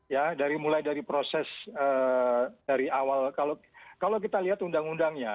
ya mulai dari proses dari awal kalau kita lihat undang undangnya